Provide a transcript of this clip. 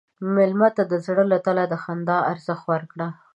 مېلمه ته د زړه له تله د خندا ارزښت ورکړه.